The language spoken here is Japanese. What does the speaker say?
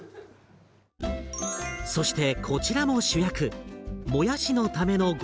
そしてこちらも主役！